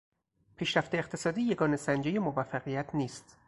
پیشرفت اقتصادی یگانه سنجهی موفقیت نیست.